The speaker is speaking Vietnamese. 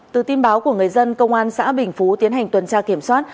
từ tin báo của người dân công an xã bình phú tiến hành tuần tra kiểm soát